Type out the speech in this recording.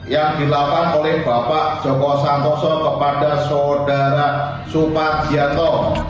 yang dilakukan oleh bapak joko santoso kepada saudara suparjianto